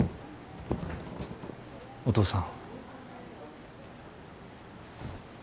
お父さん。